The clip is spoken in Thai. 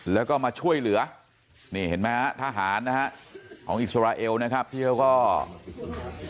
แล้วก็มาช่วยเหลือนี่เห็นไหมฮะทหารนะฮะของอิสราเอลนะครับที่เขาก็